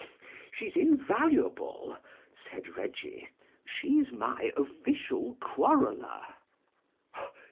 "She's invaluable," said Reggie; "she's my official quarreller."